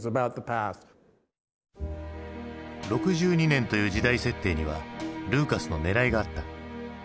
６２年という時代設定にはルーカスのねらいがあった。